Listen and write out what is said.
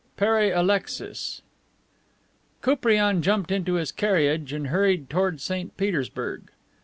PERE ALEXIS Koupriane jumped into his carriage and hurried toward St. Petersburg.